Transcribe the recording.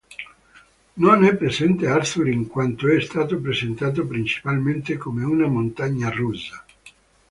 Non è presente Arthur in quanto è stato presentato principalmente come una montagna russa.